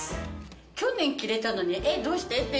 去年着れたのにえっどうして？っていう。